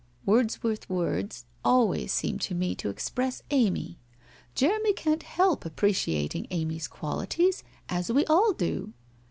Wordsworth's words always seem to me to express Amy. Jeremy can't help appreciating Amy's qualities, as we all do.